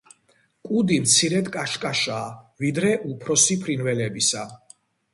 კუდი მცირედ კაშკაშაა, ვიდრე უფროსი ფრინველებისა.